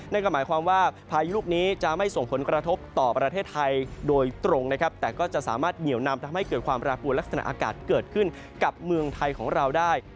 นั่นก็หมายความว่าพายุลูกนี้จะไม่ส่งผลกระทบต่อประเทศไทยโดยตรงนะครับแต่ก็จะสามารถเหนียวนำทำให้เกิดความแปรปวดลักษณะอากาศเกิดขึ้นกับเมืองไทยของเราได้